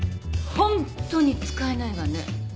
ホントに使えないわね